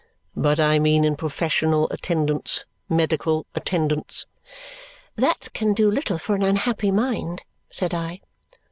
"But I mean in professional attendance, medical attendance." "That can do little for an unhappy mind," said I.